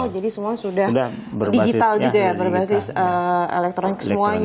jadi semua sudah berbasis elektronik